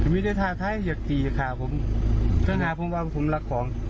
มีแต่ท่าท้ายอยากกินค่ะผมเครื่องหน้าผมว่าผมรักของ